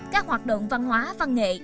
các hoạt động văn hóa văn nghệ